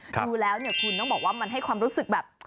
ดูแล้วเนี่ยคุณต้องบอกว่ามันให้ความรู้สึกแบบ